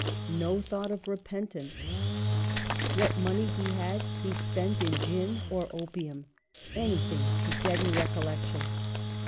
No thought of repentance. What money he had, he spent in gin or opium, anything to deaden recollection.